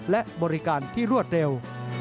และบริการที่รวดเร็ว